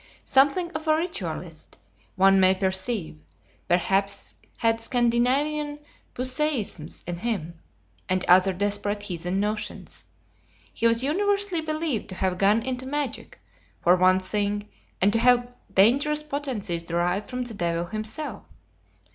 Something of a "Ritualist," one may perceive; perhaps had Scandinavian Puseyisms in him, and other desperate heathen notions. He was universally believed to have gone into magic, for one thing, and to have dangerous potencies derived from the Devil himself.